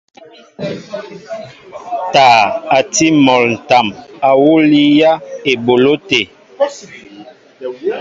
Taa a tí mol ǹtam awǔ líyá eboló te.